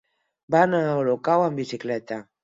Va anar a Olocau amb bicicleta.